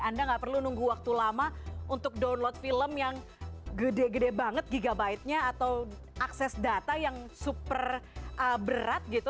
anda nggak perlu nunggu waktu lama untuk download film yang gede gede banget gigabyte nya atau akses data yang super berat gitu